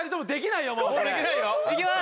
いきます！